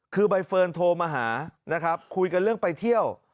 คือใบเฟิร์นโทรมาหานะครับคุยกันเรื่องไปเที่ยว